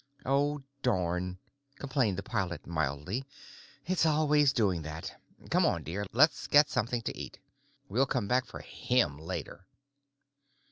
"Oh, darn," complained the pilot mildly. "It's always doing that. Come on, dear, let's get something to eat. We'll come back for him later."